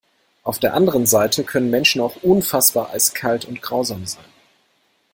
Auf der anderen Seite können Menschen auch unfassbar eiskalt und grausam sein.